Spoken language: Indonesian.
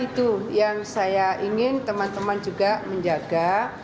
itu yang saya ingin teman teman juga menjaga